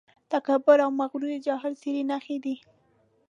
تکبر او مغروري د جاهل سړي نښې دي.